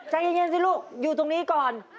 ใจเย็นสิลูกอยู่ตรงนี้ก่อน